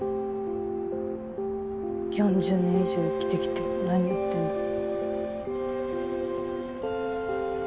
４０年以上生きてきて何やってんだろ。